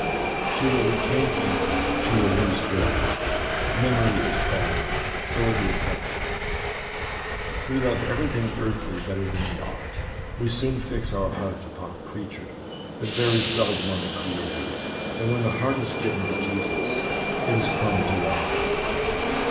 She will retain evil, she will lose good. Memory is fallen. So are the affections. We love everything earthly better than we ought ; we soon fix our heart upon a creature, but very seldom on the Creator ; and when the heart is given to Jesus, it is prone to wander.